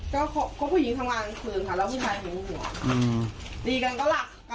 ก็เพราะผู้หญิงทำงานกลางคืนค่ะแล้วพี่ชายหึงหัว